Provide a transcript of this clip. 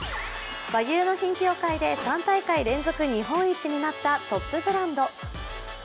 和牛の品評会で３大会連続日本一になったトップブランド。